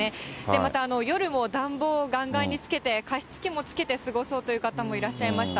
また夜も暖房をがんがんにつけて、加湿器もつけて過ごそうという方もいらっしゃいました。